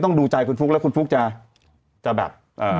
ทุบกันใหญ่เลย